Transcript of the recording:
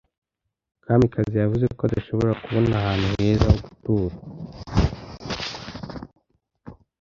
Kamikazi yavuze ko adashobora kubona ahantu heza ho gutura.